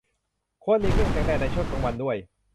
ควรหลีกเลี่ยงแสงแดดในช่วงกลางวันด้วย